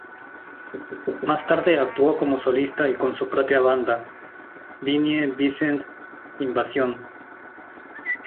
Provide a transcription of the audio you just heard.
Más tarde actuó como solista y con su propia banda, Vinnie Vincent Invasion.